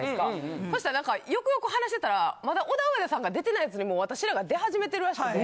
そしたら何かよくよく話してたらまだオダウエダさんが出てないやつにも私らが出始めてるらしくて。